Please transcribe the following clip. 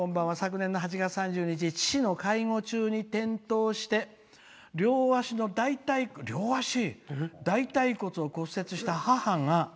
昨年の８月３０日父の介護中に転倒して両足の大たい骨を骨折した母が」。